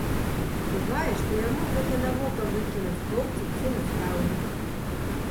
Бывае, што яму гэта на вока выкінуць хлопцы ці настаўнік.